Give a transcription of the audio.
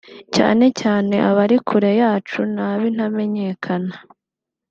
cyane cyane abari kure yacu n’abintamenyekana